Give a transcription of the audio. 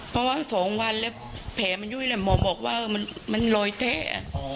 เพราะว่าสองวันแล้วแผลมันยุ่ยเลยหมอบอกว่ามันมันลอยแท้อ๋อ